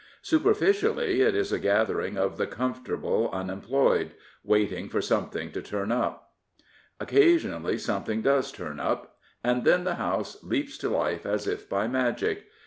Superficially it is a gathering of the comfort able unemployed, waiting for something to turn up. Occasionally something does turn up, and then the House leaps to life as if by magic.